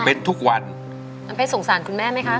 เป็นทุกวันน้ำเพชรสงสารคุณแม่ไหมคะ